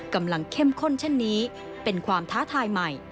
เข้มข้นเช่นนี้เป็นความท้าทายใหม่